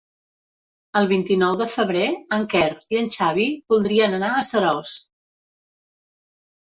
El vint-i-nou de febrer en Quer i en Xavi voldrien anar a Seròs.